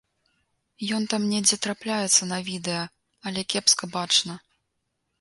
Ён там недзе трапляецца на відэа, але кепска бачна.